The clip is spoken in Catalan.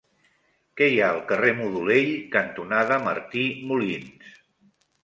Què hi ha al carrer Modolell cantonada Martí Molins?